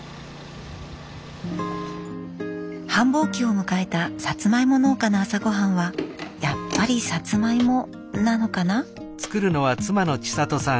繁忙期を迎えたさつまいも農家の朝ごはんはやっぱりさつまいもなのかな？